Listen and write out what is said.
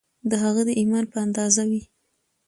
د هغه د ایمان په اندازه وي